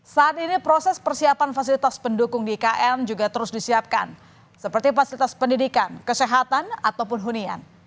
saat ini proses persiapan fasilitas pendukung di ikn juga terus disiapkan seperti fasilitas pendidikan kesehatan ataupun hunian